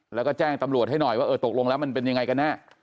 แล้วก็แจ้งตำรวจให้หน่อยว่าเออตกลงแล้วมันเป็นยังไงกันแน่